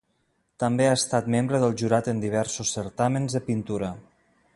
També ha estat membre del jurat en diversos certàmens de pintura.